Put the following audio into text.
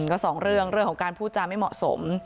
ก็สองเรื่องของการพูดจาไม่เหมาะสม